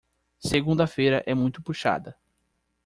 Segunda-feira é muito puxada.